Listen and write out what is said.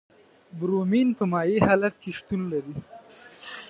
برومین په مایع حالت کې شتون لري.